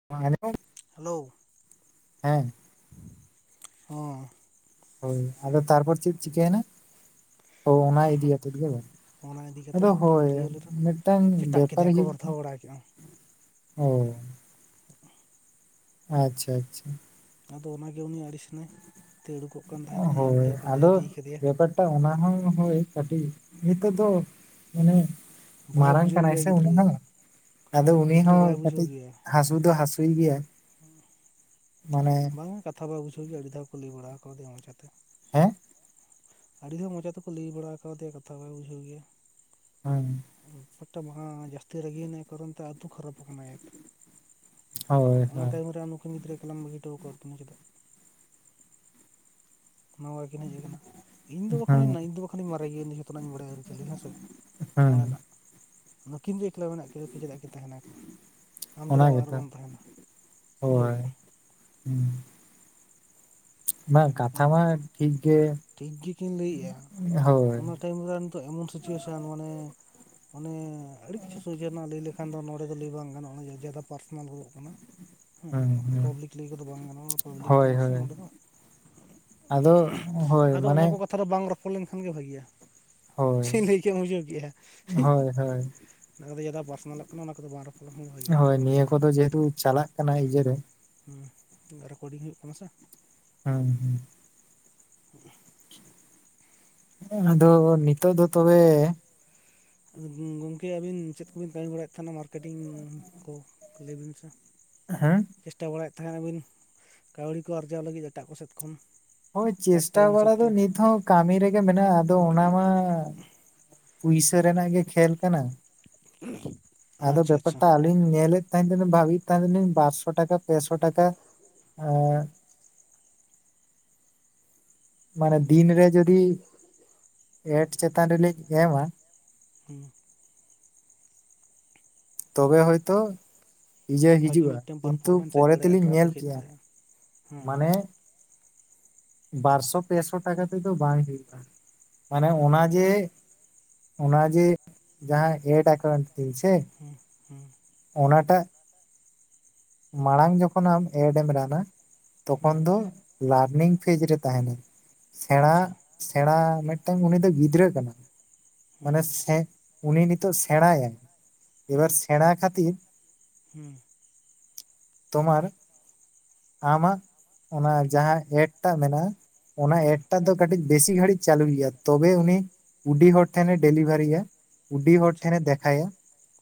[inaudible] Hello. ᱦᱮᱸ᱾ ᱦᱚᱸ ᱦᱳᱭ ᱟᱫᱚ ᱛᱟᱨᱯᱚᱨ ᱪᱮᱫ ᱪᱤᱠᱟᱹᱭᱮᱱᱟ ᱦᱳ ᱚᱱᱟ ᱤᱫᱤ ᱠᱟᱛᱮᱫ ᱜᱮ ᱚᱱᱟ ᱤᱫᱤ ᱠᱟᱛᱮ ᱟᱫᱚ ᱠᱚ ᱦᱳᱭ ᱠᱷᱟᱹᱯᱟᱹᱨᱤᱭᱟᱹᱣ ᱞᱮᱱᱟ ᱢᱤᱫᱴᱟᱝ ᱪᱮᱴᱟᱜ ᱠᱮᱫᱮᱭᱟ ᱠᱚ ᱵᱮᱯᱟᱨᱤᱭᱟᱹ ᱵᱟᱨ ᱫᱷᱟᱣ ᱵᱟᱲᱟ ᱠᱮᱜᱼᱟ ᱚ ᱟᱪᱪᱷᱟ ᱟᱪᱪᱷᱟ ᱟᱫᱚ ᱚᱱᱟᱜᱮ ᱩᱱᱤ ᱟᱹᱲᱤᱥᱱᱟᱭ ᱫᱟᱹᱲ ᱩᱰᱩᱠᱚᱜ ᱠᱟᱱ ᱛᱟᱦᱮᱱᱟᱭ ᱤᱧ ᱦᱳᱭ ᱵᱷᱟᱹᱭ ᱯᱟᱸᱡᱟ ᱟᱫᱚ ᱤᱫᱤ ᱠᱟᱫᱮᱭᱟ ᱵᱮᱯᱟᱨᱴᱟ ᱚᱱᱟ ᱦᱚᱸ ᱦᱳᱭ ᱠᱟᱹᱴᱤᱡ ᱱᱤᱛᱚᱜ ᱫᱚ ᱢᱟᱱᱮ ᱵᱟᱭ ᱢᱟᱨᱟᱝ ᱵᱩᱡᱷᱟᱹᱣ ᱠᱟᱱᱟᱭ ᱜᱮᱭᱟ ᱥᱮ ᱩᱱᱤ ᱜᱤᱫᱽᱨᱟᱹ ᱦᱚᱸ ᱟᱫᱚ ᱩᱱᱤ ᱜᱤᱫᱽᱨᱟᱹ ᱵᱟᱭ ᱦᱚᱸ ᱵᱩᱡᱷᱟᱹᱣ ᱠᱟᱹᱴᱤᱡ ᱜᱮᱭᱟ ᱦᱟᱹᱥᱩ ᱫᱚ ᱦᱟᱹᱥᱩᱭ ᱜᱮᱭᱟ ᱢᱟᱱᱮ ᱵᱟᱝᱟ ᱠᱟᱛᱷᱟ ᱵᱟᱭ ᱵᱩᱡᱷᱟᱹᱣ ᱜᱮᱭᱟ ᱟᱹᱰᱤ ᱫᱷᱟᱣ ᱠᱚ ᱞᱟᱹᱭ ᱵᱟᱲᱟ ᱠᱟᱣᱫᱮᱭᱟ ᱢᱚᱪᱟᱛᱮ ᱦᱮᱸ ᱟᱹᱰᱤ ᱫᱷᱟᱣ ᱢᱚᱪᱟ ᱛᱮᱠᱚ ᱞᱟᱹᱭ ᱵᱟᱲᱟ ᱠᱟᱣᱫᱮᱭᱟ ᱠᱟᱛᱷᱟ ᱵᱟᱭ ᱵᱩᱡᱷᱟᱹᱣ ᱜᱮᱭᱟ ᱦᱮᱸ ᱯᱟᱴᱟ ᱵᱟᱝᱟ ᱡᱟᱹᱥᱛᱤ ᱨᱟᱹᱜᱤᱭᱱᱟ ᱠᱟᱨᱚᱱ ᱛᱮ ᱟᱹᱛᱩ ᱠᱷᱟᱨᱟᱯ ᱟᱠᱟᱱᱟᱭ ᱟᱨᱠᱤ ᱦᱳᱭ ᱚᱱᱟ ᱦᱳᱭ ᱴᱟᱭᱤᱢ ᱨᱮ ᱱᱩᱠᱤᱱ ᱜᱤᱫᱽᱨᱟᱹ ᱮᱠᱞᱟᱢ ᱵᱟᱹᱜᱤ ᱦᱚᱴᱚᱣ ᱟᱠᱟᱫ ᱠᱤᱱᱟ ᱪᱮᱫᱟᱜ? ᱱᱟᱣᱟ ᱠᱤᱱ ᱦᱮᱡ ᱟᱠᱟᱱᱟ ᱤᱧ ᱫᱚ ᱦᱮᱸ ᱵᱟᱠᱷᱟᱱᱤᱧ ᱫᱚ ᱵᱟᱠᱷᱟᱱᱤᱧ ᱢᱟᱨᱮ ᱜᱮᱭᱟᱧ ᱡᱚᱛᱚᱱᱟᱜ ᱤᱧ ᱵᱟᱲᱟᱭᱟ ᱟᱹᱨᱤᱪᱟᱹᱞᱤ ᱦᱮᱸᱥᱮ ᱦᱮᱸ ᱚᱸᱰᱮᱱᱟᱜ ᱱᱩᱠᱤᱱ ᱫᱚ ᱮᱠᱞᱟ ᱢᱮᱱᱟᱜ ᱠᱤᱱᱟ ᱪᱮᱫᱟᱜ ᱠᱤᱱ ᱛᱟᱦᱮᱱᱟ ᱮᱠᱞᱟ ᱟᱢ ᱚᱱᱟ ᱪᱮᱫᱟᱜ ᱚᱲᱟᱜ ᱨᱮ ᱜᱮᱛᱚ ᱵᱟᱢ ᱛᱟᱦᱮᱱᱟ ᱵᱩᱡᱷᱟᱹᱣ ᱜᱮᱭᱟᱢ ᱦᱩᱸ ᱵᱟᱝ ᱠᱟᱛᱷᱟ ᱤᱧ ᱢᱟ ᱴᱷᱤᱠ ᱜᱮ ᱴᱷᱤᱠ ᱜᱮᱠᱤᱱ ᱞᱟᱹᱭᱮᱜᱼᱟ ᱦᱳᱭ ᱚᱱᱟ ᱴᱟᱭᱤᱢ ᱨᱮ ᱱᱤᱛᱳᱜ ᱮᱢᱚᱱ ᱥᱤᱪᱩᱭᱮᱥᱚᱱ ᱢᱟᱱᱮ ᱚᱱᱮ ᱟᱹᱰᱤ ᱠᱤᱪᱷᱩ ᱥᱚᱡᱷᱮ ᱞᱟᱹᱭ ᱞᱮ ᱠᱷᱟᱱ ᱫᱚ ᱱᱚᱰᱮ ᱫᱚ ᱞᱟᱹᱭ ᱵᱟᱝ ᱜᱟᱱᱚᱜᱼᱟ ᱡᱟᱫᱟ ᱯᱟᱨᱥᱚᱱᱟᱞ ᱜᱚᱫᱚᱜ ᱠᱟᱱᱟ ᱦᱮᱸ ᱦᱩᱸ ᱚᱱᱟ ᱠᱚᱫᱚ ᱦᱩᱸ ᱯᱟᱵᱽᱞᱤᱠ ᱞᱟᱹᱭ ᱠᱚᱫᱚ ᱵᱟᱝ ᱜᱟᱱᱚᱜᱼᱟ ᱯᱟᱵᱽᱞᱤᱠ ᱦᱳᱭ ᱠᱟᱱᱟ ᱥᱮ ᱦᱳᱭ ᱱᱚᱸᱰᱮ ᱫᱚ ᱟᱫᱚ ᱦᱳᱭ ᱟᱫᱚ ᱚᱱᱟ ᱠᱚ ᱢᱟᱱᱮ ᱠᱟᱛᱷᱟ ᱫᱚ ᱵᱟᱝ ᱨᱚᱯᱚᱲ ᱞᱮᱱᱠᱷᱟᱱ ᱜᱮ ᱵᱷᱟᱜᱮᱭᱟ ᱪᱮᱫ ᱦᱳᱭ ᱤᱧ ᱞᱟᱹᱭ ᱠᱮᱫᱼᱟ ᱵᱩᱡᱷᱟᱹᱣ ᱠᱮᱫᱼᱟ ᱦᱳᱭ ᱦᱳᱭ ᱚᱱᱟ ᱠᱚᱫᱚ ᱡᱚᱛᱚ ᱯᱟᱨᱥᱚᱱᱟᱞᱚᱜ ᱠᱟᱱᱟ ᱚᱱᱟ ᱠᱚᱫᱚ ᱵᱟᱝ ᱨᱚᱯᱚᱲ ᱞᱮᱱᱠᱷᱟᱱ ᱜᱮ ᱵᱷᱟᱹᱜᱤᱭᱟ ᱦᱳᱭ ᱱᱤᱭᱟᱹ ᱠᱚᱫᱚ ᱡᱮᱦᱮᱛᱩ ᱪᱟᱞᱟᱜ ᱠᱟᱱᱟ ᱤᱭᱟᱹᱨᱮ ᱦᱩᱸ ᱨᱮᱠᱚᱨᱰᱤᱝ ᱦᱩᱭᱩᱜ ᱠᱟᱱᱟ ᱥᱮ ᱦᱮᱸ ᱦᱮᱸ [inaudible] ᱟᱫᱚ ᱱᱤᱛᱚᱜ ᱫᱚ ᱛᱚᱵᱮ ᱜᱚᱢᱠᱮ ᱟᱹᱵᱤᱱ ᱪᱮᱫ ᱠᱚᱵᱤᱱ ᱠᱟᱹᱢᱤ ᱵᱟᱲᱟᱭᱮᱫ ᱛᱟᱦᱮᱱᱟ ᱢᱟᱨᱠᱮᱴᱤᱝ ᱠᱚ ᱞᱟᱹᱭ ᱵᱤᱱ ᱥᱮ? ᱦᱮᱸ ᱪᱮᱥᱴᱟ ᱵᱟᱲᱟᱭᱮᱫ ᱛᱟᱦᱮᱱᱟᱵᱤᱱ ᱠᱟᱹᱣᱰᱤ ᱠᱚ ᱟᱨᱡᱟᱣ ᱞᱟᱹᱜᱤᱫ ᱮᱴᱟᱜ ᱠᱚ ᱥᱮᱫ ᱠᱷᱚᱱ ᱦᱳᱭ ᱯᱟᱨᱴ ᱪᱮᱥᱴᱟ ᱴᱟᱭᱤᱢ ᱵᱟᱲᱟ ᱦᱤᱥᱟᱹᱵ ᱫᱚ ᱛᱮ ᱱᱤᱛ ᱦᱚᱸ ᱠᱟᱹᱢᱤ ᱨᱮᱜᱮ ᱢᱮᱱᱟᱜᱼᱟ ᱟᱫᱚ ᱚᱱᱟ ᱢᱟ ᱯᱩᱭᱥᱟᱹ ᱨᱮᱱᱟᱜ ᱜᱮ ᱠᱷᱮᱞ ᱠᱟᱱᱟ [unintelligible] ᱟᱫᱚ ᱟᱪᱪᱷᱟ ᱵᱮᱯᱮᱨᱴᱟᱞ ᱤᱧ ᱧᱮᱞᱮᱫ ᱛᱟᱦᱮᱸᱱᱟᱞᱤᱧ ᱵᱷᱟᱵᱤᱭᱮᱫ ᱛᱟᱦᱮᱸᱱᱟᱞᱤᱧ ᱵᱟᱨᱥᱚ ᱴᱟᱠᱟ ᱯᱮᱥᱚ ᱴᱟᱠᱟ ᱮ ᱢᱟᱱᱮ ᱫᱤᱱ ᱨᱮ ᱡᱚᱫᱤ ᱮᱰ ᱪᱮᱛᱟᱱ ᱨᱮᱞᱤᱧ ᱮᱢᱟ ᱦᱩᱸ ᱛᱚᱵᱮ ᱦᱚᱭᱛᱚ ᱤᱭᱟᱹ ᱵᱷᱟᱹᱜᱤ ᱦᱤᱡᱩᱜᱼᱟ ᱢᱤᱫᱴᱮᱱ ᱠᱤᱱᱛᱩ ᱯᱟᱨᱯᱷᱚᱨᱢᱮᱱᱥ ᱦᱮᱡ ᱯᱚᱨᱮ ᱫᱟᱲᱮᱭᱟᱜᱼᱟ ᱛᱮᱞᱤᱧ ᱧᱮᱞ ᱴᱨᱟᱯᱷᱤᱠ ᱦᱮᱡ ᱠᱮᱜᱼᱟ ᱫᱟᱲᱮᱭᱟᱜᱼᱟ ᱦᱮᱸ ᱢᱟᱱᱮ ᱵᱟᱨᱥᱚ ᱯᱮᱥᱚ ᱴᱟᱠᱟ ᱛᱮᱫᱚ ᱵᱟᱝ ᱦᱩᱭᱩᱜᱼᱟ ᱢᱟᱱᱮ ᱦᱮᱸ ᱚᱱᱟ ᱡᱮ ᱚᱱᱟ ᱡᱮ ᱡᱟᱦᱟᱸ ᱮᱰ ᱮᱠᱟᱱᱛᱤᱧ ᱥᱮ ᱦᱮᱸ ᱦᱮᱸ ᱚᱱᱟᱴᱟᱜ ᱢᱟᱲᱟᱝ ᱡᱚᱠᱷᱚᱱ ᱟᱢ ᱮᱰᱮᱢ ᱵᱮᱱᱟᱶ ᱫᱟ ᱛᱚᱠᱷᱚᱱ ᱦᱮᱸ ᱫᱚ ᱞᱟᱨᱱᱤᱝ ᱯᱷᱮᱡ ᱨᱮ ᱛᱟᱦᱮᱱᱟ ᱥᱮᱸᱲᱟ ᱟᱪᱪᱷᱟ ᱥᱮᱸᱲᱟ ᱢᱤᱫᱴᱟᱝ ᱩᱱᱤᱫᱚ ᱜᱤᱫᱽᱨᱟᱹ ᱠᱟᱱᱟ ᱢᱟᱱᱮ ᱦᱮᱸ ᱥᱮ ᱩᱱᱤ ᱱᱤᱛᱚᱜ ᱥᱮᱸᱲᱟᱭᱟ ᱮᱵᱟᱨ ᱥᱮᱸᱲᱟ ᱠᱷᱟᱹᱛᱤᱨ ᱦᱩᱸ ᱛᱳᱢᱟᱨ ᱟᱢᱟᱜ ᱚᱱᱟ ᱡᱟᱦᱟᱸ ᱮᱰ ᱴᱟᱜ ᱢᱮᱱᱟᱜᱼᱟ ᱚᱱᱟ ᱦᱮᱸ ᱮᱰ ᱴᱟᱜ ᱫᱚ ᱠᱟᱹᱴᱤᱡ ᱵᱮᱥᱤ ᱜᱷᱟᱹᱲᱤᱡ ᱪᱟᱹᱞᱩᱭ ᱭᱟ ᱛᱚᱵᱮ ᱩᱱᱤ ᱵᱩᱰᱤ ᱦᱚᱲ ᱴᱷᱮᱱᱮ ᱰᱮᱞᱤᱵᱷᱟᱨᱤᱭᱟ ᱵᱩᱰᱤ ᱦᱚᱲ ᱟᱪᱪᱷᱟ ᱴᱷᱮᱱᱮ ᱫᱮᱠᱷᱟᱭᱟ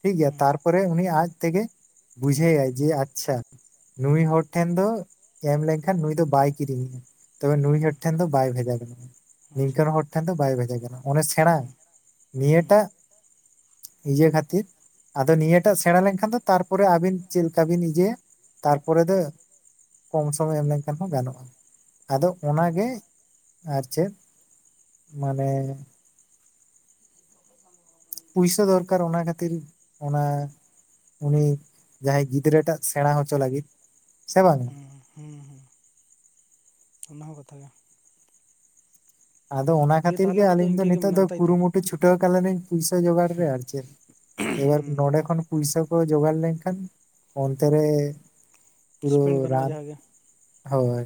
ᱴᱷᱤᱠ ᱜᱮᱭᱟ ᱦᱮᱸ ᱛᱟᱨᱯᱚᱨ ᱩᱱᱤ ᱟᱡ ᱛᱮ ᱜᱮ ᱵᱩᱡᱷᱟᱹᱣᱟᱭ ᱡᱮ ᱟᱪᱪᱷᱟ ᱱᱩᱭ ᱦᱚᱲ ᱴᱷᱮᱱ ᱫᱚ ᱮᱢ ᱞᱮᱱᱠᱷᱟᱱ ᱱᱩᱭ ᱫᱚ ᱵᱟᱭ ᱠᱤᱨᱤᱧᱮᱭᱟ ᱛᱚᱵᱮ ᱱᱩᱭ ᱦᱚᱲ ᱴᱷᱮᱱ ᱫᱚ ᱵᱟᱭ ᱵᱷᱮᱡᱟ ᱜᱟᱡᱟᱜᱼᱟ ᱟᱪᱪᱷᱟ ᱱᱤᱝᱠᱟᱹᱱ ᱦᱚᱲ ᱴᱷᱮᱱ ᱫᱚ ᱵᱟᱭ ᱵᱷᱮᱡᱟᱭ ᱜᱟᱱᱚᱜᱼᱟ ᱚᱱᱮ ᱥᱮᱬᱟ ᱦᱮᱸ ᱱᱤᱭᱟᱹᱴᱟᱜ ᱤᱭᱟᱹ ᱠᱷᱟᱹᱛᱤᱨ ᱟᱫᱚ ᱱᱤᱭᱟᱹᱴᱟᱜ ᱥᱮᱬᱟ ᱞᱮᱱ ᱠᱷᱟᱱ ᱫᱚ ᱛᱟᱨ ᱯᱚᱨᱮ ᱟᱹᱵᱤᱱ ᱪᱮᱫ ᱞᱮᱠᱟ ᱵᱤᱱ ᱤᱭᱟᱹᱭᱟ ᱛᱟᱨ ᱯᱚᱨᱮ ᱫᱚ ᱠᱚᱢ ᱥᱚᱢᱚᱭ ᱮᱢ ᱞᱮᱱᱠᱷᱟᱱ ᱦᱚᱸ ᱜᱟᱱᱚᱜᱼᱟ ᱟᱫᱚ ᱚᱱᱟᱜᱮ ᱟᱪᱪᱷᱟ ᱟᱨ ᱪᱮᱫ ᱢᱟᱱᱮ ᱯᱩᱭᱥᱟᱹ ᱫᱚᱨᱠᱟᱨ ᱚᱱᱟ ᱠᱱᱟᱹᱛᱤᱨ ᱚᱱᱟ ᱩᱱᱤ ᱡᱟᱦᱟᱸᱭ ᱜᱤᱫᱽᱨᱟᱹ ᱴᱟᱜ ᱥᱮᱬᱟ ᱦᱚ ᱪᱚ ᱞᱟᱹᱜᱤᱫ ᱥᱮ ᱵᱟᱝ ᱩᱸ ᱦᱩᱸ ᱚᱱᱟ ᱦᱚᱸ ᱠᱟᱛᱷᱟ ᱜᱮ ᱟᱫᱚ ᱚᱱᱟ ᱫᱤᱭᱮ ᱠᱷᱟᱹᱛᱤᱨ ᱛᱟᱦᱚᱞᱮ ᱜᱮ ᱚᱱᱟ ᱟᱹᱞᱤᱧ ᱫᱚ ᱤᱱᱠᱟᱹ ᱜᱮ ᱱᱤᱛᱚᱜ ᱫᱚ ᱢᱮᱱᱟᱜᱼᱟ ᱛᱟᱭᱛᱚ ᱠᱩᱨᱩᱢᱩᱴ ᱮᱠᱴᱩ ᱪᱷᱩᱴᱟᱹᱣ ᱠᱟᱱᱟ ᱞᱤᱧ ᱯᱩᱭᱥᱟᱹ ᱡᱚᱜᱟᱲ ᱨᱮ ᱟᱨ ᱪᱮᱫ ᱮᱵᱟᱨ ᱱᱚᱰᱮ ᱠᱷᱚᱱ ᱯᱩᱭᱥᱟ ᱠᱚ ᱡᱚᱜᱟᱲ ᱞᱮᱱᱠᱷᱟᱱ ᱚᱱᱛᱮ ᱨᱮ ᱯᱩᱨᱟᱹ ᱥᱯᱮᱱᱰ ᱜᱟᱱᱚᱜᱼᱟ ᱨᱟᱱ ᱡᱟᱦᱟᱸ ᱜᱮ ᱦᱳᱭ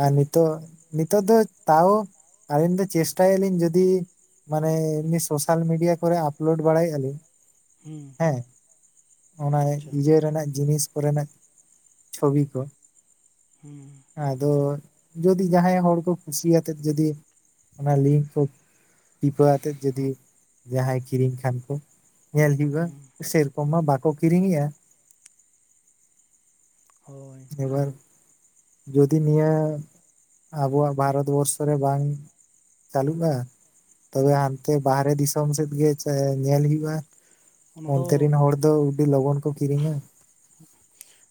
ᱟᱨ ᱱᱤᱛᱚᱜ ᱱᱤᱛᱚᱜ ᱫᱚ ᱛᱟᱣ ᱟᱹᱞᱤᱧ ᱫᱚ ᱪᱮᱥᱴᱟᱭᱟ ᱞᱤᱧ ᱡᱩᱫᱤ ᱢᱟᱱᱮ ᱮᱢᱱᱤ ᱥᱳᱥᱟᱞ ᱢᱤᱰᱤᱭᱟ ᱠᱚ ᱨᱮ ᱟᱯᱞᱳᱰ ᱵᱟᱲᱟᱭᱮᱫᱼᱟ ᱞᱤᱧ ᱦᱩᱸ ᱦᱮᱸ ᱚᱱᱟ ᱤᱭᱟᱹ ᱨᱮᱱᱟᱜ ᱡᱤᱱᱤᱥ ᱠᱚᱨᱮ ᱱᱟᱜ ᱪᱷᱚᱵᱤ ᱠᱚ ᱦᱩᱸ ᱟᱫᱚ ᱡᱩᱫᱤ ᱡᱟᱦᱟᱸᱭ ᱦᱚᱲ ᱠᱚ ᱠᱩᱥᱤᱭᱟᱛᱮᱫ ᱡᱩᱫᱤ ᱚᱱᱟ ᱞᱤᱝᱠ ᱠᱚ ᱴᱤᱯᱟᱹ ᱟᱛᱮᱜ ᱡᱚᱫᱤ ᱡᱟᱦᱟᱸᱭ ᱠᱤᱨᱤᱧ ᱠᱷᱟᱱ ᱠᱚ ᱧᱮᱞ ᱦᱩᱭᱩᱜ-ᱟ ᱦᱩᱸ, ᱥᱮᱨᱚᱠᱚᱢ ᱵᱟᱠᱚ ᱠᱤᱨᱤᱧ ᱭᱮ-ᱟ ᱦᱳᱭ ᱮᱵᱟᱨ ᱡᱚᱫᱤ ᱱᱤᱭᱟᱹ ᱟᱵᱚᱣᱟᱜ ᱵᱷᱟᱨᱚᱛ ᱵᱚᱨᱥᱚ ᱨᱮ ᱵᱟᱝ ᱪᱟᱹᱞᱩᱜ-ᱟ ᱛᱚᱵᱮ ᱦᱟᱱᱛᱮ ᱵᱟᱦᱨᱮ ᱫᱤᱥᱚᱢ ᱥᱮᱫ ᱜᱮ ᱟᱪᱪᱟ ᱧᱮᱞ ᱦᱩᱭᱩᱜᱼᱟ ᱚᱱᱟ ᱚᱱᱛᱮ ᱫᱚ ᱨᱮᱱ ᱦᱚᱲ ᱫᱚ ᱟᱹᱰᱤ ᱞᱚᱜᱚᱱ ᱠᱚ ᱠᱤᱨᱤᱧᱟ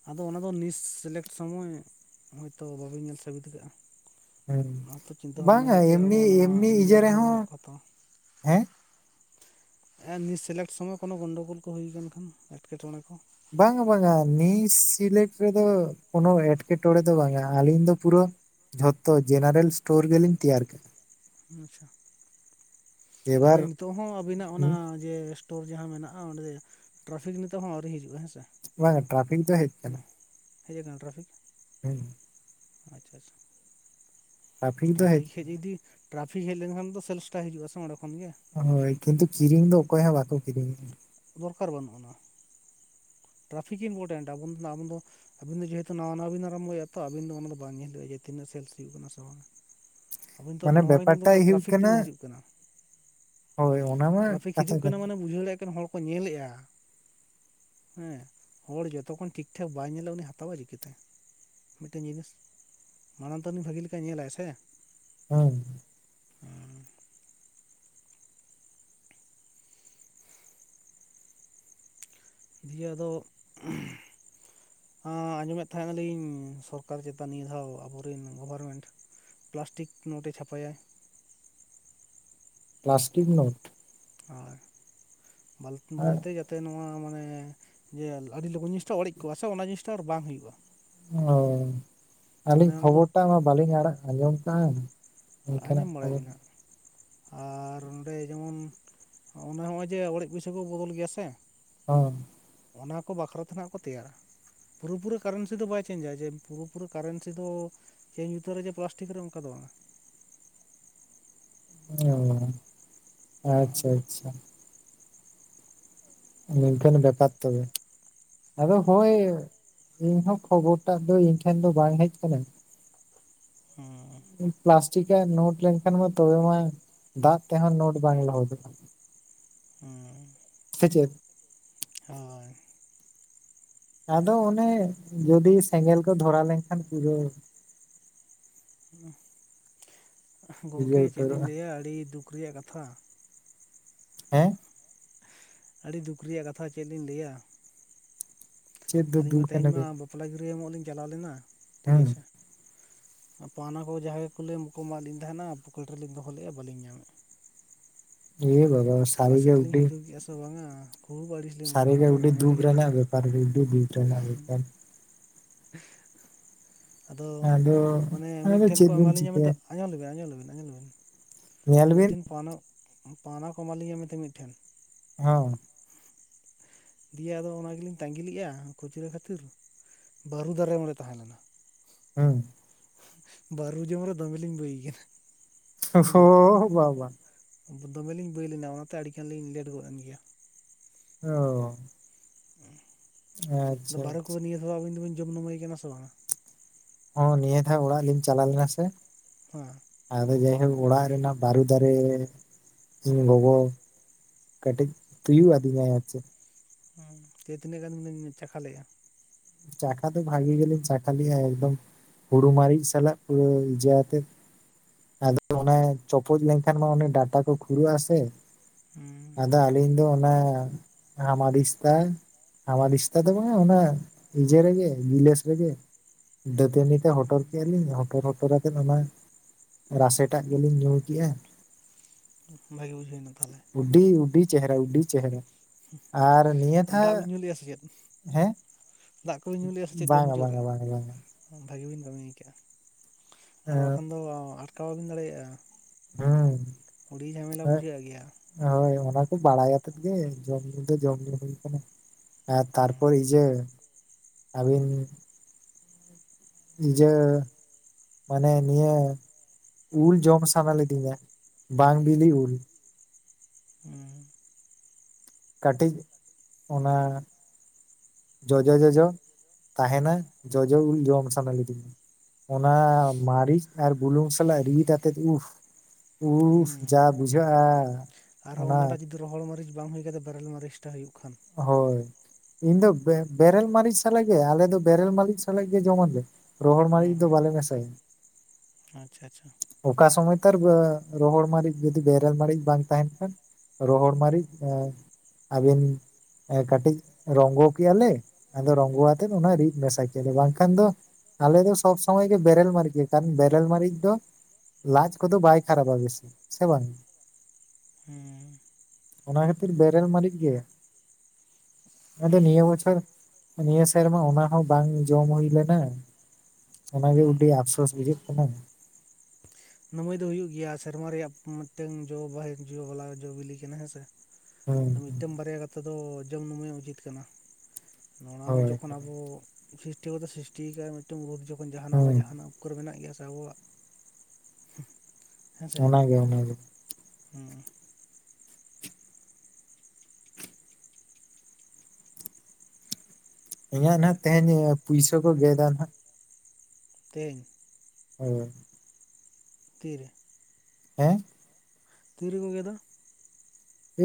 ᱟᱫᱚ ᱚᱱᱟ ᱫᱚ ᱱᱤᱥ ᱥᱤᱞᱮᱠᱴ ᱥᱚᱢᱚᱭ ᱦᱚᱭ ᱛᱳ ᱵᱟᱵᱤᱱ ᱧᱮᱞ ᱥᱟᱹᱵᱤᱫ ᱫᱟᱨᱮ-ᱟ ᱦᱮᱸ ᱚᱱᱟ ᱛᱚ ᱪᱤᱱᱛᱟᱹ ᱵᱷᱟᱵᱱᱟ ᱵᱟᱝᱟ ᱦᱩᱭᱩᱜ ᱡᱮ ᱟᱵᱚ ᱮᱢᱱᱤ ᱱᱚᱣᱟ ᱮᱢᱱᱤ ᱤᱱᱰᱤᱭᱟ ᱤᱭᱟᱹ ᱨᱮᱱ ᱦᱚᱸ ᱢᱮᱱᱟᱜ ᱨᱮᱦᱚᱸ ᱠᱚ ᱦᱟᱛᱟᱣᱟ ᱦᱮᱸ ᱮᱱ ᱱᱤᱭᱟᱹ ᱥᱤᱞᱮᱠᱴ ᱥᱚᱢᱚᱭ ᱠᱳᱱᱳ ᱜᱚᱱᱰᱳᱜᱳᱞ ᱠᱚ ᱦᱩᱭ ᱠᱟᱱ ᱠᱷᱟᱱ ᱮᱴᱠᱮᱴᱚᱬᱮ ᱠᱚ ᱵᱟᱝ-ᱟ ᱵᱟᱝ-ᱟ ᱱᱤᱥ ᱥᱤᱞᱮᱴ ᱨᱮ ᱫᱚ ᱠᱳᱱᱚ ᱮᱸᱴᱠᱮᱴᱚᱬᱮ ᱫᱚ ᱵᱟᱝ-ᱟ ᱟᱹᱞᱤᱧ ᱫᱚ ᱯᱩᱨᱟᱹ ᱡᱷᱚᱛᱚ ᱡᱮᱱᱟᱨᱮᱞ ᱥᱴᱳᱨ ᱜᱮᱞᱤᱧ ᱛᱮᱭᱟᱨ ᱠᱟᱜᱼᱟ ᱟᱪᱪᱷᱟ ᱛᱟᱦᱞᱮ ᱮᱵᱟᱨ ᱱᱤᱛᱚᱜ ᱦᱚᱸ ᱟᱵᱤᱱᱟᱜ ᱚᱱᱟ ᱡᱮ ᱥᱴᱳᱨ ᱡᱟᱦᱟᱸ ᱢᱮᱱᱟᱜᱼᱟ ᱚᱸᱰᱮ ᱴᱨᱟᱯᱷᱤᱠ ᱱᱤᱛᱚᱜ ᱦᱚᱸ ᱟᱹᱣᱨᱤ ᱦᱤᱡᱩᱜᱼᱟ ᱦᱮᱸ ᱥᱮ ᱵᱟᱝ ᱴᱨᱟᱯᱷᱤᱠ ᱫᱚ ᱦᱮᱡ ᱠᱟᱱᱟ ᱦᱮᱡ ᱠᱟᱱᱟ ᱴᱨᱟᱯᱷᱤᱠ ᱦᱩᱸ ᱟᱪᱪᱷᱟ ᱟᱪᱪᱟ ᱴᱨᱟᱯᱷᱤᱠ ᱦᱮᱡ ᱤᱫᱤ ᱴᱨᱟᱯᱷᱤᱠ ᱦᱮᱡ ᱞᱮᱱᱠᱷᱟᱱ ᱫᱚ ᱥᱮᱞᱮᱥᱴᱟ ᱦᱤᱡᱩᱜᱼᱟ ᱥᱮ ᱚᱸᱰᱮ ᱠᱷᱚᱱ ᱜᱮ ᱦᱳᱭ ᱠᱤᱱᱛᱩ ᱠᱤᱨᱤᱧ ᱫᱚ ᱚᱠᱚᱭ ᱦᱚᱸ ᱵᱟᱠᱚ ᱠᱤᱨᱤᱧ ᱭᱮ-ᱟ ᱫᱚᱨᱠᱟᱨ ᱵᱟᱹᱱᱩᱜ ᱟᱱᱟ ᱴᱨᱟᱯᱷᱤᱠ ᱤᱢᱯᱳᱴᱮᱱᱴ ᱟᱵᱩᱱ ᱟᱢᱩᱱ ᱫᱚ ᱟᱵᱤᱱ ᱫᱚ ᱡᱮᱦᱮᱛᱩ ᱱᱟᱣᱟ ᱱᱟᱣᱟ ᱵᱤᱱ ᱟᱨᱟᱢᱵᱚ ᱟᱵᱤᱱ ᱫᱚ ᱚᱱᱟ ᱫᱚ ᱵᱟᱝ ᱧᱮᱞ ᱦᱩᱭᱩᱜᱼᱟ ᱡᱮ ᱛᱤᱱᱟᱹᱜ ᱥᱮᱞᱥ ᱦᱩᱭᱩᱜ ᱠᱟᱱᱟ ᱥᱮ ᱵᱟᱝ ᱦᱮ [inaudible] ᱱᱤᱛᱚᱜ ᱫᱚ ᱱᱚᱦᱟ ᱜᱮ ᱧᱮᱞ ᱫᱚᱨᱠᱟᱨ ᱴᱨᱟᱯᱷᱤᱠ ᱛᱤᱱᱟᱹᱜ ᱦᱤᱡᱩᱜ ᱠᱟᱱᱟ ᱦᱳᱭ ᱚᱱᱟ ᱢᱟ ᱾ ᱴᱨᱟᱯᱷᱤᱠ ᱠᱟᱛᱷᱟ ᱦᱤᱡᱩᱜ ᱠᱟᱱᱟ ᱢᱟᱱᱮ ᱵᱩᱡᱷᱟᱹᱣ ᱫᱟᱲᱮᱭᱟᱜ ᱠᱟᱱ ᱦᱚᱲ ᱠᱚ ᱧᱮᱞᱮᱜᱼᱟ ᱾ ᱦᱮᱸ ᱦᱚᱲ ᱡᱚᱛᱚᱠᱷᱚᱱ ᱴᱷᱤᱠ ᱴᱷᱟᱠ ᱵᱟᱭ ᱧᱮᱞᱟ ᱩᱱᱤ ᱦᱟᱛᱟᱟᱭ ᱪᱤᱠᱟᱹᱛᱮ, ᱢᱤᱫᱴᱮᱱ ᱡᱤᱱᱤᱥ ᱾ ᱢᱟᱲᱟᱝ ᱛᱚ ᱩᱱᱤ ᱵᱷᱟᱹᱜᱤ ᱞᱮᱠᱟᱭ ᱧᱮᱞᱟᱭ ᱥᱮ ᱾ ᱦᱮᱸ ᱦᱟᱸ [unintelligible] ᱫᱤᱭᱮ ᱫᱚᱼᱼ ᱟᱸᱡᱚᱢᱮᱫ ᱛᱟᱦᱮᱱᱟ ᱞᱤᱧ ᱥᱚᱨᱠᱟᱨ ᱪᱮᱛᱟᱱ ᱱᱤᱭᱟᱹ ᱫᱷᱟᱣ ᱟᱵᱚᱨᱮᱱ ᱜᱚᱵᱷᱚᱨᱢᱮᱱᱴᱼᱼ ᱯᱤᱞᱟᱥᱴᱤᱠ ᱱᱳᱴ ᱮ ᱪᱷᱟᱯᱟᱭᱟᱭ ᱾ Plastic note. ᱟᱨ ᱵᱟᱞ ᱟᱨ ᱵᱚᱞᱛᱮ ᱡᱚ ᱛᱮ ᱱᱚᱣᱟ ᱢᱟᱱᱮ ᱡᱮ ᱟᱹᱰᱤ ᱞᱚᱜᱚᱱ ᱡᱤᱱᱤᱥᱴᱟ ᱚᱲᱮᱡ ᱠᱚᱜᱼᱟ ᱥᱮ ᱚᱱᱟ ᱡᱤᱱᱤᱥᱴᱟ ᱟᱨ ᱵᱟᱝ ᱦᱩᱭᱩᱜᱼᱟ ᱾ ᱚ, ᱟᱹᱞᱤᱧ ᱚᱱᱟ ᱫᱚ ᱠᱷᱚᱵᱚᱨ ᱴᱟᱜ ᱢᱟ ᱵᱟᱹᱞᱤᱧ ᱟᱲᱟᱜ ᱟᱸᱡᱚᱢ ᱟᱠᱟᱜᱼᱟ ᱾ ᱟᱸᱡᱚᱢ ᱵᱟᱲᱟᱭ ᱵᱤᱱ ᱦᱟᱸᱜ, ᱟᱨ ᱚᱸᱰᱮ ᱡᱮᱢᱚᱱᱼᱼ ᱚᱱᱟ ᱢᱟᱡᱮ ᱚᱲᱮᱡ ᱯᱩᱭᱥᱟᱹ ᱠᱚ ᱵᱚᱫᱚᱞ ᱜᱮᱭᱟ ᱥᱮ ᱾ ᱦᱚᱸ ᱚᱱᱟ ᱠᱚ ᱵᱟᱠᱷᱨᱟ ᱛᱮ ᱦᱟᱸᱜ ᱠᱚ ᱛᱮᱭᱟᱨᱟ ᱾ ᱯᱩᱨᱟᱹᱯᱩᱨᱤ ᱠᱟᱨᱚᱱ ᱥᱮ ᱫᱚ ᱵᱟᱭ ᱪᱮᱧᱡᱟ ᱡᱮ ᱯᱩᱨᱟᱹ ᱠᱟᱨᱚᱱ ᱥᱮ ᱫᱚᱼᱼ ᱪᱮᱸᱡ ᱩᱛᱟᱹᱨᱟᱭ ᱡᱮ ᱯᱞᱟᱥᱴᱤᱠ ᱨᱮ ᱚᱱᱠᱟ ᱫᱚ ᱵᱟᱝ ᱾ ᱚᱸ ᱟᱪᱪᱷᱟ ᱟᱪᱪᱷᱟ ᱱᱤᱱᱠᱟᱱ ᱵᱮᱯᱟᱨ ᱛᱚᱵᱮ ᱾ ᱟᱫᱚ ᱦᱚᱭ, ᱤᱧ ᱦᱚᱸ ᱠᱷᱚᱵᱚᱨ ᱴᱟᱜ ᱫᱚ ᱤᱧ ᱴᱷᱮᱱ ᱫᱚ ᱵᱟᱝ ᱦᱮᱡ ᱟᱠᱟᱱᱟ ᱾ ᱦᱮᱸ᱾ ᱯᱞᱟᱥᱴᱤᱠ ᱮ ᱱᱳᱴ ᱞᱮᱱᱠᱷᱟᱱ ᱢᱟ ᱛᱚᱵᱮ ᱢᱟ ᱫᱟᱜ ᱛᱮᱦᱚᱸ ᱱᱳᱴ ᱵᱟᱝ ᱞᱚᱦᱚᱫᱚᱜᱼᱟ ᱾ ᱦᱮᱸ ᱥᱮ ᱪᱮᱫ? ᱦᱳᱸᱭ ᱾ ᱟᱫᱚ ᱚᱱᱮ, ᱡᱩᱫᱤ ᱥᱮᱸᱜᱮᱞ ᱠᱚ ᱫᱷᱚᱨᱟᱣ ᱞᱮᱱᱠᱷᱟᱱ ᱯᱩᱨᱟᱹᱼᱼ ᱤᱭᱟᱹ ᱜᱚᱢᱠᱮ ᱪᱮᱫ ᱞᱤᱧ ᱩᱛᱟᱹᱨᱚᱜᱼᱟ ᱞᱟᱹᱭᱟ ᱟᱹᱰᱤ ᱫᱩᱠ ᱨᱮᱭᱟᱜ ᱠᱟᱛᱷᱟ ᱦᱮᱸ? ᱟᱹᱰᱤ ᱫᱩᱠ ᱨᱮᱭᱟᱜ ᱠᱟᱛᱷᱟ ᱪᱮᱫ ᱞᱤᱧ ᱞᱟᱹᱭᱟ ᱾ ᱪᱮᱫ ᱫᱚ ᱟᱹᱞᱤᱧ ᱫᱩ ᱢᱟ ᱛᱮᱦᱮᱧ ᱠᱟᱱᱟ ᱢᱟ ᱵᱤᱱ ᱵᱟᱯᱞᱟ ᱜᱤᱨᱦᱟᱹ ᱮᱢᱚᱜ ᱞᱤᱧ ᱪᱟᱞᱟᱣ ᱞᱮᱱᱟ, ᱴᱷᱤᱠ ᱦᱮᱸ ᱟᱪᱷᱮᱼᱼ ᱯᱟᱣᱱᱟ ᱠᱚ ᱡᱟᱸᱦᱟᱭ ᱠᱚ ᱮᱢᱟᱫ ᱞᱤᱧ ᱛᱟᱸᱦᱮᱱᱟ ᱯᱚᱠᱮᱴ ᱨᱮᱞᱤᱧ ᱫᱚᱦᱚ ᱞᱮᱫᱼᱟ ᱵᱟᱹᱞᱤᱧ ᱧᱟᱢᱮᱫᱼᱟ ᱾ ᱮ ᱵᱟᱵᱟ, ᱥᱟᱨᱤ ᱜᱮ ᱩᱰᱤᱼᱼ ᱛᱚ ᱵᱟᱝᱟ, ᱠᱷᱩᱵᱽ ᱟᱹᱲᱤᱥ ᱞᱮ ᱢᱚᱱᱮ ᱢᱚᱱᱮ ᱟᱹᱰᱤ ᱫᱩᱠ ᱫᱚᱢᱮᱞᱤᱧ ᱨᱮᱱᱟᱜ ᱟᱹᱲᱤᱥᱮᱱᱟ ᱾ ᱵᱮᱯᱟᱨ ᱟᱹᱰᱤ ᱫᱩᱠ ᱨᱮᱱᱟᱜ ᱵᱮᱯᱟᱨ ᱟᱫᱚ, ᱢᱟᱱᱮ ᱟᱫᱚ ᱢᱤᱫᱴᱷᱮᱱ ᱠᱚ ᱪᱮᱫ ᱵᱤᱱ ᱮᱢᱟᱞᱤᱧᱟ ᱪᱤᱠᱟᱹᱭᱟ ᱢᱮᱱᱛᱮᱜᱼᱼ ᱟᱸᱡᱚᱢ ᱞᱮᱵᱤᱱ ᱟᱡᱚᱢ ᱞᱮᱵᱤᱱ ᱟᱡᱚᱢ ᱞᱮᱵᱤᱱ ᱧᱮᱞ ᱵᱤᱱ ᱢᱤᱫᱴᱷᱮᱱ ᱯᱟᱣᱱᱟ, ᱯᱟᱣᱱᱟ ᱠᱚ ᱮᱢᱟ ᱞᱤᱧᱟ ᱢᱮᱱᱛᱮ ᱢᱤᱫᱴᱷᱮᱱᱼᱼ ᱦᱚᱸ ᱫᱤᱭᱮ ᱟᱫᱚ ᱚᱱᱟ ᱜᱮᱞᱤᱧ ᱛᱟᱸᱜᱤ ᱞᱮᱫᱼᱟ, ᱠᱷᱩᱪᱨᱟᱹ ᱠᱷᱟᱹᱛᱤᱨ ᱵᱟᱹᱨᱩ ᱫᱟᱨᱮ ᱚᱸᱰᱮ ᱛᱟᱦᱮᱸ ᱞᱮᱱᱟ ᱾ ᱦᱩᱸ ᱾ ᱵᱟᱨᱩ ᱡᱚᱢ ᱨᱮ ᱫᱚᱢᱮ ᱞᱤᱧ ᱵᱟᱹᱭ ᱠᱟᱱᱟ ᱾ ᱳᱦᱳ ᱵᱟᱵᱟᱼᱼ ᱫᱚᱢᱮᱞᱤᱧ ᱵᱟᱹᱭ ᱞᱮᱱᱟ ᱚᱱᱟᱛᱮ ᱟᱹᱰᱤ ᱜᱟᱱ ᱞᱤᱧ ᱞᱮᱴ ᱜᱚᱫ ᱮᱱ ᱜᱮᱭᱟ ᱾ ᱚ ᱟᱫᱚ ᱟᱪᱪᱷᱟ ᱵᱟᱹᱨᱩ ᱠᱚ ᱟᱪᱪᱷᱟ ᱱᱤᱭᱟᱹ ᱫᱷᱟᱣ ᱟᱵᱤᱱ ᱫᱚᱵᱤᱱ ᱡᱚᱢ ᱱᱩᱢᱟᱹᱭ ᱠᱟᱱᱟ ᱥᱮ ᱵᱟᱝᱟ? ᱦᱚᱸ ᱱᱤᱭᱟᱹ ᱫᱷᱟᱣ ᱚᱲᱟᱜ ᱞᱤᱧ ᱪᱟᱞᱟᱣ ᱞᱮᱱᱟ ᱥᱮᱼᱼ ᱦᱚᱸ [unintelligible] ᱟᱫᱚ ᱡᱟᱭᱦᱳᱠ ᱚᱲᱟᱜ ᱨᱮᱱᱟᱜ ᱵᱟᱨᱩ ᱫᱟᱨᱮ, ᱤᱧ ᱜᱚᱜᱚᱼᱼ ᱠᱟᱹᱴᱤᱡ ᱛᱤᱭᱩᱜ ᱟᱫᱤᱧᱟᱭ ᱟᱨ ᱪᱮᱫᱼᱼ ᱡᱮ ᱛᱤᱱᱟᱹᱜ ᱜᱟᱱ ᱵᱤᱱ ᱪᱟᱠᱷᱟ ᱞᱮᱫᱼᱟ? ᱪᱟᱠᱷᱟ ᱫᱚ ᱵᱷᱟᱜᱤ ᱜᱮ ᱞᱤᱧ ᱪᱟᱠᱷᱟ ᱞᱮᱜᱼᱟ ᱮᱠᱫᱚᱢ ᱾ ᱦᱩᱲᱩ ᱢᱟᱹᱨᱤᱪ ᱥᱟᱞᱟᱜ ᱯᱩᱨᱟᱹ ᱡᱟᱛᱮ ᱟᱫᱚ ᱚᱱᱟ ᱪᱚᱯᱚᱡ ᱞᱮᱱᱠᱷᱟᱱ ᱢᱟ ᱚᱱᱟ ᱰᱟᱴᱟ ᱠᱚ ᱠᱷᱩᱨᱩᱜ ᱟᱥᱮ ᱾ ᱦᱩᱸ ᱟᱫᱚ ᱟᱹᱞᱤᱧ ᱫᱚ ᱚᱱᱟ, ᱦᱟᱢᱟ ᱫᱤᱥᱛᱟ ᱦᱟᱢ ᱫᱤᱥᱛᱟ ᱫᱚ ᱵᱟᱝ ᱚᱱᱟᱼᱼ ᱮᱡᱮ ᱨᱮᱜᱮ ᱜᱤᱞᱟᱹᱥ ᱨᱮᱜᱮ ᱾ ᱫᱟᱹᱛᱟᱹᱱᱤ ᱛᱮ ᱦᱚᱴᱚᱨ ᱠᱮᱫ ᱟᱞᱤᱧ ᱦᱚᱴᱚᱨ ᱦᱚᱴᱚᱨ ᱦᱟᱛᱮᱫ ᱚᱱᱟ ᱾ ᱨᱟᱥᱮᱴᱟᱜ ᱜᱮᱞᱤᱧ ᱧᱩ ᱠᱮᱜᱼᱟ ᱾ ᱵᱷᱟᱜᱮ ᱵᱩᱡᱷᱟᱹᱣᱮᱱᱟ ᱛᱟᱦᱚᱞᱮ ᱾ ᱟᱹᱰᱤ ᱟᱹᱰᱤ ᱪᱮᱦᱮᱨᱟ ᱟᱹᱰᱤ ᱪᱮᱦᱮᱨᱟ, ᱟᱨ ᱱᱤᱭᱟᱹ ᱟᱨ ᱫᱟᱜ ᱫᱷᱟᱣᱼᱼ ᱵᱤᱱ ᱧᱩ ᱞᱮᱜᱼᱟ ᱥᱮ ᱪᱮᱫ ᱫᱟᱜ ᱠᱚ ᱧᱩ ᱞᱮᱭᱟ ᱥᱮ ᱪᱮᱫ ᱡᱚᱢ ᱵᱟᱝᱟ ᱢᱩᱪᱟᱹᱫ ᱨᱮ? ᱵᱟᱝᱟ ᱵᱟᱝᱟ ᱵᱟᱝᱟ ᱵᱷᱟᱹᱜᱤ ᱵᱤᱱ ᱠᱟᱹᱢᱤᱭᱟᱠᱟᱜᱼᱟ, ᱟᱨ ᱮᱸ ᱵᱟᱠᱷᱟᱱ ᱫᱚ ᱟᱴᱠᱟᱣ ᱵᱟᱵᱤᱱ ᱫᱟᱲᱮᱭᱟᱜᱼᱟ ᱦᱩᱸ ᱾ ᱩᱰᱤ ᱡᱷᱟᱢᱮᱞᱟ ᱦᱮᱸ ᱵᱩᱡᱷᱟᱹᱜ ᱜᱮᱭᱟ ᱾ ᱦᱳᱭ ᱚᱱᱟ ᱠᱚ ᱵᱟᱲᱟᱭ ᱟᱛᱮᱫ ᱜᱮ ᱡᱚᱢ ᱧᱩ ᱫᱚ ᱡᱚᱢ ᱧᱩ ᱦᱩᱭ ᱠᱟᱱᱟ᱾ ᱟᱨ ᱛᱟᱨᱯᱚᱨ ᱦᱩᱸ ᱤᱭᱟᱹ, ᱟᱹᱵᱤᱱᱼᱼ ᱤᱡᱟᱹ ᱢᱟᱱᱮ ᱱᱤᱭᱟᱹᱼᱼ ᱩᱞ ᱡᱚᱢ ᱥᱟᱱᱟ ᱞᱮᱫᱤᱧᱟ ᱵᱟᱝ ᱵᱤᱞᱤ ᱩᱞ᱾ ᱦᱩᱸ ᱠᱟᱹᱴᱤᱡ ᱚᱱᱟᱼᱼ ᱡᱚᱡᱚ ᱡᱚᱡᱚ ᱛᱟᱦᱮᱱᱟ᱾ ᱡᱚᱡᱚ ᱩᱞ ᱡᱚᱢ ᱥᱟᱱᱟ ᱞᱤᱫᱤᱧᱟ᱾ ᱚᱱᱟ ᱢᱟᱹᱨᱤᱪ ᱟᱨ ᱵᱩᱞᱩᱝ ᱥᱟᱞᱟᱜ ᱨᱤᱫ ᱟᱛᱮᱫ ᱩᱦ ᱦᱩᱸ ᱩᱥ ᱡᱟ ᱵᱩᱡᱷᱟᱹᱜᱼᱟ ᱟᱨᱦᱚᱸ ᱚᱱᱟ ᱚᱱᱟᱴᱟᱜ ᱡᱩᱫᱤ ᱨᱚᱦᱚᱲ ᱢᱟᱨᱤᱪ ᱵᱟᱝ ᱦᱩᱭ ᱠᱟᱛᱮᱜ ᱵᱮᱨᱮᱞ ᱢᱟᱨᱤᱪ ᱴᱟᱜ ᱦᱩᱭᱩᱜ ᱠᱷᱟᱱᱼᱼ ᱦᱚᱭ ᱤᱧ ᱫᱚ ᱵᱮᱨᱮᱞ ᱢᱟᱨᱤᱪ ᱥᱟᱞᱟᱜ ᱜᱮ ᱟᱞᱮ ᱫᱚ ᱵᱮᱨᱮᱞ ᱢᱟᱨᱤᱪ ᱥᱟᱞᱟᱜ ᱜᱮ ᱡᱚᱢᱟᱞᱮ ᱾ ᱨᱚᱦᱚᱲ ᱢᱟᱨᱤᱪ ᱫᱚ ᱵᱟᱞᱮ ᱢᱮᱥᱟᱭᱟ ᱾ ᱟᱪᱪᱷᱟ ᱟᱪᱪᱷᱟ ᱚᱠᱟ ᱥᱚᱢᱚᱭ ᱛᱚ ᱟᱨ ᱨᱚᱦᱚᱲ ᱢᱟᱨᱤᱪ ᱡᱩᱫᱤ ᱵᱮᱨᱮᱞ ᱢᱟᱨᱤᱪ ᱵᱟᱝ ᱛᱟᱦᱮᱱ ᱠᱷᱟᱱ ᱨᱚᱦᱚᱲ ᱢᱟᱨᱤᱪ ᱟᱹᱵᱤᱱ ᱠᱟᱹᱴᱤᱡ ᱨᱚᱝᱜᱚ ᱠᱮᱭᱟᱞᱮ ᱟᱫᱚ ᱨᱚᱝᱜᱚ ᱟᱛᱮᱫ ᱚᱱᱟ ᱨᱤᱫ ᱢᱮᱥᱟ ᱠᱮᱭᱟᱞᱮ ᱵᱟᱝᱠᱷᱟᱱ ᱫᱚᱼᱼ ᱟᱞᱮ ᱫᱚ ᱥᱚᱵᱽ ᱥᱚᱢᱚᱭ ᱜᱮ ᱵᱮᱨᱮᱞ ᱢᱟᱨᱤᱡ ᱜᱮ ᱠᱷᱟᱱ ᱵᱮᱨᱮᱞ ᱢᱟᱨᱤᱡ ᱫᱚ ᱞᱟᱡᱽ ᱠᱚᱫᱚ ᱵᱟᱭ ᱠᱷᱟᱨᱟᱯᱟ ᱵᱮᱥᱤ ᱥᱮ ᱵᱟᱝ? ᱦᱩᱸ ᱚᱱᱟ ᱠᱷᱟᱹᱛᱤᱨ ᱵᱮᱨᱮᱞ ᱢᱟᱨᱤᱪ ᱜᱮ ᱟᱫᱚ ᱱᱤᱭᱟᱹ ᱵᱚᱪᱷᱚᱨ, ᱱᱤᱭᱟᱹ ᱥᱮᱨᱢᱟ ᱚᱱᱟ ᱦᱚᱸ ᱵᱟᱝ ᱡᱚᱢ ᱦᱩᱭ ᱞᱮᱱᱟ ᱾ ᱚᱱᱟᱜᱮ ᱩᱰᱤ ᱟᱯᱥᱳᱥ ᱵᱩᱡᱷᱟᱹᱜ ᱠᱟᱱᱟ ᱾ ᱱᱟᱹᱣᱟᱹᱭ ᱫᱚ ᱦᱩᱭᱩᱜ ᱜᱮᱭᱟ ᱥᱮᱨᱢᱟ ᱨᱮᱭᱟᱜ ᱢᱤᱫᱴᱟᱝ ᱡᱚ ᱵᱟᱦᱮ ᱡᱚ ᱵᱟᱞᱟ ᱡᱚ ᱵᱤᱞᱤ ᱠᱟᱱᱟ ᱦᱮᱸᱥᱮ ᱦᱩᱸ ᱾ ᱢᱤᱫᱴᱟᱝ ᱵᱟᱨᱭᱟ ᱠᱟᱛᱮ ᱫᱚ ᱡᱚᱢ ᱱᱟᱹᱣᱟᱹᱭ ᱦᱚᱸ ᱩᱪᱤᱛ ᱠᱟᱱᱟ ᱾ ᱱᱚᱣᱟ ᱦᱚᱸ ᱦᱳᱭ ᱡᱚᱠᱷᱚᱱ ᱟᱵᱚ ᱥᱨᱤᱥᱴᱤ ᱠᱚ ᱛᱚ ᱥᱨᱤᱥᱴᱤ ᱠᱟᱜ-ᱟᱭ ᱢᱤᱫᱴᱟᱝ ᱨᱳᱜ ᱡᱚᱠᱷᱚᱱ ᱡᱟᱦᱟᱱᱟᱜ ᱵᱟᱝ ᱦᱩᱸ ᱡᱟᱦᱟᱱᱟᱜ, ᱠᱚᱨᱮ ᱢᱮᱱᱟᱜ ᱜᱮᱭᱟ ᱥᱮ ᱟᱵᱚᱣᱟᱜ ᱾ [inaudible] ᱚᱱᱟᱜᱮ ᱚᱱᱟᱜᱮ ᱦᱮᱸ [unintelligible] ᱤᱧᱟᱹᱜ ᱱᱟᱸᱜ ᱛᱮᱦᱮᱧ ᱯᱩᱭᱥᱟᱹ ᱠᱚ ᱜᱮᱫᱟ ᱱᱟᱸᱜ ᱾ ᱛᱮ ᱦᱳᱭ [unintelligible] ᱛᱤᱨᱮ ᱦᱮᱸ? ᱛᱤ ᱨᱮ ᱠᱚ ᱜᱮᱫᱟ?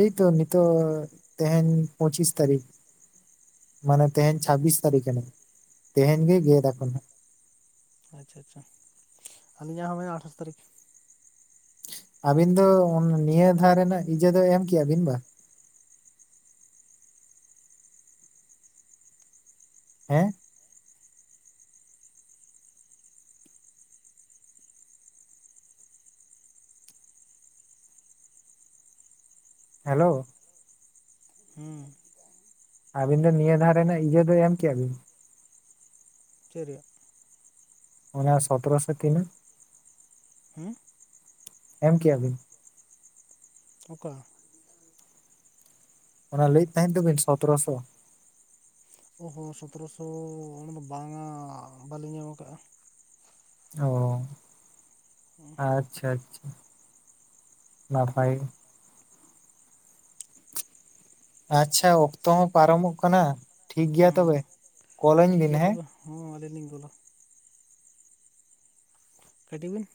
ᱮᱭᱛᱚ ᱱᱤᱛᱚᱜ ᱛᱮᱦᱮᱧ ᱯᱚᱸᱪᱤᱥ ᱛᱟᱨᱤᱠ, ᱢᱟᱱᱮ ᱛᱮᱦᱮᱧ ᱪᱷᱟᱵᱵᱤᱥ ᱛᱟᱨᱤᱠ ᱠᱟᱱᱟ, ᱛᱮᱦᱮᱧ ᱜᱮ ᱜᱮᱫᱟ ᱠᱚ ᱦᱟᱸᱜ᱾ ᱟᱪᱪᱷᱟ ᱟᱪᱪᱷᱟ, ᱟᱹᱞᱤᱧᱟᱜ ᱦᱚᱸ ᱦᱚᱸᱜᱼᱚᱭ ᱟᱴᱷᱟᱥ ᱛᱟᱨᱤᱠ᱾ ᱟᱵᱤᱱ ᱫᱚ ᱱᱤᱭᱟᱹ ᱫᱷᱟᱣ ᱨᱮᱱᱟᱜ ᱤᱡᱟᱹ ᱫᱚ ᱮᱢ ᱠᱮᱭᱟ ᱵᱤᱱ ᱵᱟ? ᱦᱮᱸ? ᱦᱮᱞᱳᱣ᱾ ᱦᱩᱸ᱾ ᱟᱹᱵᱤᱱ ᱫᱚ ᱱᱤᱭᱟᱹ ᱫᱷᱟᱣ ᱨᱮᱱᱟᱜ ᱤᱡᱟᱹ ᱫᱚ ᱮᱢ ᱠᱮᱭᱟ ᱵᱤᱱ? ᱪᱮᱫ ᱨᱮᱭᱟᱜ? ᱚᱱᱟ ᱥᱚᱛᱨᱚ ᱥᱮ ᱛᱤᱱᱟᱹᱜ? ᱦᱩᱸ? ᱮᱢ ᱠᱮᱜ-ᱟ ᱵᱤᱱ? ᱚᱠᱟ? ᱚᱱᱟ ᱞᱟᱹᱭᱮᱫ ᱛᱟᱦᱮᱸᱫ ᱫᱚ ᱵᱤᱱ ᱥᱚᱛᱨᱚ ᱥᱚ, ᱚ ᱦᱚ ᱥᱚᱛᱨᱚᱥᱚ ᱚᱱᱟ ᱫᱚ ᱵᱟᱝᱟ, ᱵᱟᱞᱤᱧ ᱧᱟᱢ ᱠᱟᱜᱼᱟ᱾ ᱚᱻ, ᱟᱪᱪᱷᱟ ᱟᱪᱪᱷᱟ, ᱱᱟᱯᱟᱭ ᱜᱮ᱾ ᱟᱪᱪᱷᱟ, ᱚᱠᱛᱚ ᱦᱚᱸ ᱯᱟᱨᱚᱢᱚᱜ ᱠᱟᱱᱟ ᱴᱷᱤᱠ ᱜᱮᱭᱟ ᱦᱩᱸ ᱛᱚᱵᱮ, ᱠᱚᱞᱟᱹᱧ ᱴᱷᱤᱠ ᱵᱤᱱ ᱜᱮᱭᱟ ᱦᱮᱸ᱾ ᱛᱚᱵᱮ ᱦᱚᱸ ᱟᱹᱞᱤᱧ ᱞᱤᱧ ᱠᱚᱞᱟ᱾ ᱠᱟᱴᱤ ᱵᱤᱱ᱾